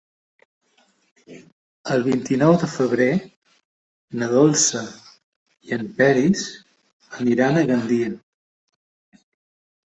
El vint-i-nou de febrer na Dolça i en Peris aniran a Gandia.